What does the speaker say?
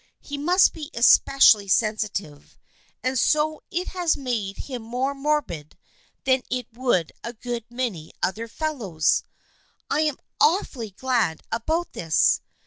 He must be especially sen sitive, and so it has made him more morbid than it would a good many other fellows. I am awfully glad about this.